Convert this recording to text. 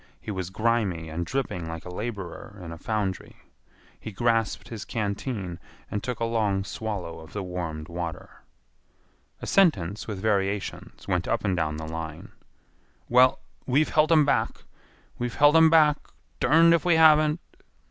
He was grimy and dripping like a laborer in a foundry. He grasped his canteen and took a long swallow of the warmed water. A sentence with variations went up and down the line. "Well, we've helt 'em back. We've helt 'em back; derned if we haven't."